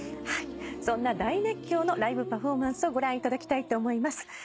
そんな大熱狂のライブパフォーマンスをご覧いただきたいと思います。